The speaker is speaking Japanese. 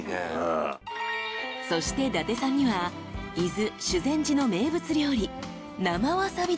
［そして伊達さんには伊豆修善寺の名物料理］